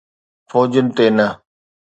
فوجن تي نه.